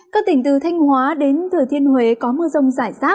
các tỉnh từ thanh hóa đến thừa thiên huế có mưa rông rải rác